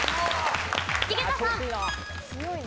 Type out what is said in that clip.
井桁さん。